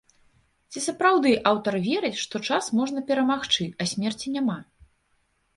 Ці сапраўды аўтар верыць, што час можна перамагчы, а смерці няма?